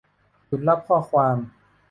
หยุดรับข้อความ